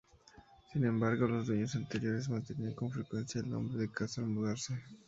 Sin embargo, los dueños anteriores mantenían con frecuencia el nombre de casa al mudarse.